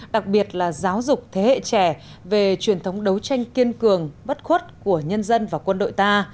đặc biệt là giáo dục thế hệ trẻ về truyền thống đấu tranh kiên cường bất khuất của nhân dân và quân đội ta